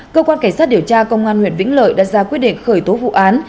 cơ quan cảnh sát điều tra công an huyện vĩnh lợi đã ra quyết định khởi tố vụ án